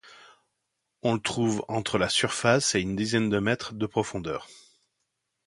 On le trouve entre la surface et une dizaine de mètres de profondeur.